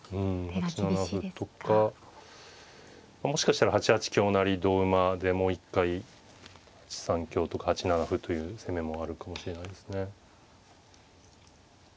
８七歩とかもしかしたら８八香成同馬でもう一回８三香とか８七歩という攻めもあるかもしれないですね。